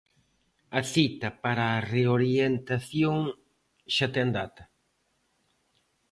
A cita para a "reorientación" xa ten data.